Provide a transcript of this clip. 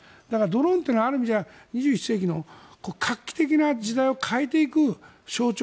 ドローンというのはある意味２１世紀の画期的な時代を変えていく象徴